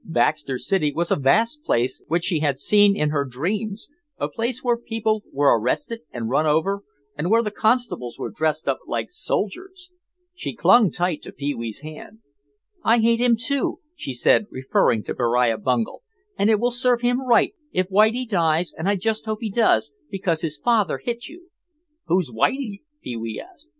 Baxter City was a vast place which she had seen in her dreams, a place where people were arrested and run over and where the constables were dressed up like soldiers. She clung tight to Pee wee's hand. "I hate him, too," she said, referring to Beriah Bungel, "and it will serve him right if Whitie dies and I just hope he does, because his father hit you." "Who's Whitie?" Pee wee asked.